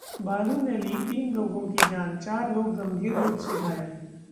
भालू ने ली तीन लोगों की जान, चार लोग गंभीर रूप से घायल